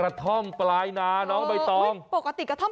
แบบนี้คือแบบนี้คือแบบนี้คือแบบนี้คือ